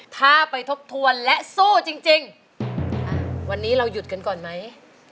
ถ้าไปทบทวนและสู้จริงวันนี้เราหยุดกันก่อนไหม